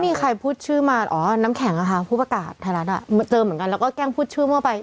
ก็มีใครพูดชื่อมาหน้าแขงภูตรประกาศไทยรัฐเจอเหมือนกัน